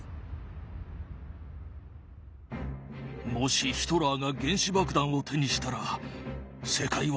もしヒトラーが原子爆弾を手にしたら世界は終わりだ。